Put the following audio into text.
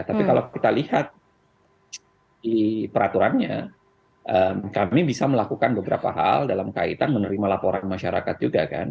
tapi kalau kita lihat di peraturannya kami bisa melakukan beberapa hal dalam kaitan menerima laporan masyarakat juga kan